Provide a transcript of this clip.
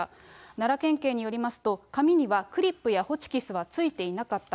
奈良県警によりますと、紙にはクリップやホチキスはついていなかった。